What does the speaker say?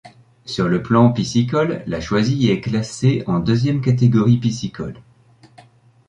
Sur le plan piscicole, la Choisille est classée en deuxième catégorie piscicole.